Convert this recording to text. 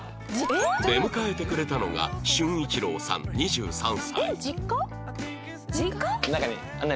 出迎えてくれたのが隼一郎さん２３歳